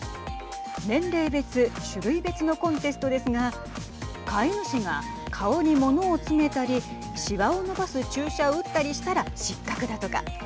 年齢別、種類別のコンテストですが飼い主が顔に物を詰めたりしわを伸ばす注射を打ったりしたら失格だとか。